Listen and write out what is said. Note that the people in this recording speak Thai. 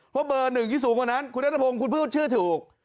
เพราะเบอร์หนึ่งที่สูงกว่านั้นคุณนัทพงศ์คุณพูดชื่อถูก